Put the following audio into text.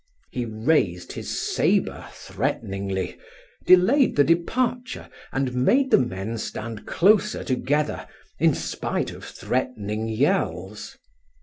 He raised his sabre threateningly, delayed the departure, and made the men stand closer together, in spite of threatening yells.